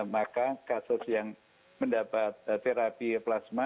maka kasus yang mendapat terapi plasma